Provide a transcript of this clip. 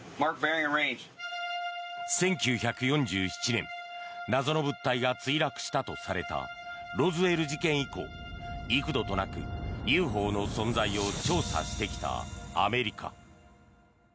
１９４７年謎の物体が墜落したとされたロズウェル事件以降幾度となくＵＦＯの存在を調査してきたアメリカ。